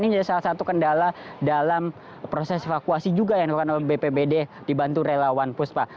ini jadi salah satu kendala dalam proses evakuasi juga yang dilakukan oleh bpbd dibantu relawan puspa